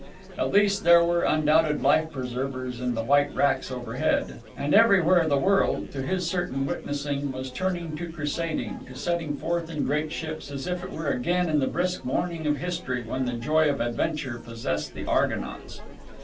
At least there were undoubted life preservers in the white racks overhead; and everywhere the world, to his certain witnessing, was turned to crusading, to setting forth in great ships as if it were again in the brisk morning of history when the joy of adventure possessed the Argonauts.